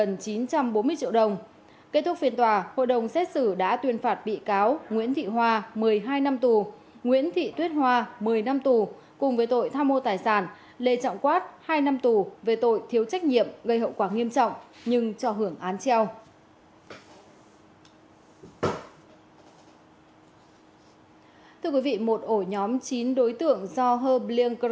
thì chúng ta mới ký và chúng ta mới cho ứng chức tiền